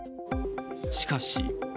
しかし。